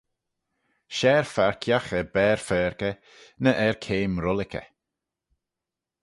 Share farkagh er baare faarkey ny er keim rullickey